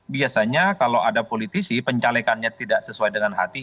biasanya kalau ada politisi pencalekannya tidak sesuai dengan hati